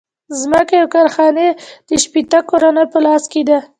ځمکې او کارخانې د شپیته کورنیو په لاس کې دي